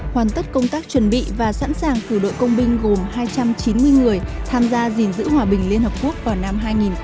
hoàn tất công tác chuẩn bị và sẵn sàng cử đội công binh gồm hai trăm chín mươi người tham gia gìn giữ hòa bình liên hợp quốc vào năm hai nghìn hai mươi